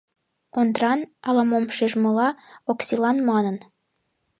Ондран, ала-мом шижшыла, Оксилан манын: